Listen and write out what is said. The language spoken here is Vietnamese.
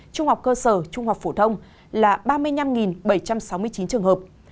trung học cơ sở trung học phổ thông là ba mươi năm bảy trăm sáu mươi chín trường hợp